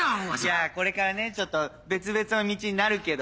いやこれからねちょっと別々の道になるけど。